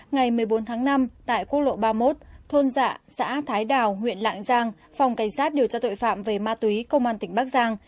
ngày một mươi bốn tháng năm tại quốc lộ ba mươi một thôn dạ xã thái đào huyện lạng giang phòng cảnh sát điều tra tội phạm về ma túy công an tỉnh bắc giang